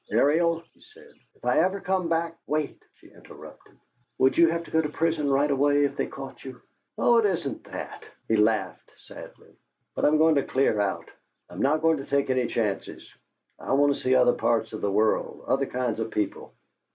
"Ariel," he said, "if I ever come back " "Wait," she interrupted. "Would you have to go to prison right away if they caught you?" "Oh, it isn't that," he laughed, sadly. "But I'm going to clear out. I'm not going to take any chances. I want to see other parts of the world, other kinds of people.